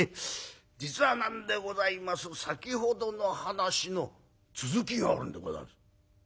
実はなんでございます先ほどの話の続きがあるんでございます」。